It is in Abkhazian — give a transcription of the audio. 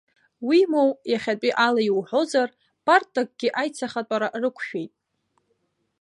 Уимоу, иахьатәи ала иуҳәозар, партакгьы аицахатәара рықәшәеит.